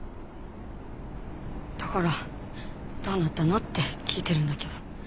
だからどうなったのって聞いてるんだけど。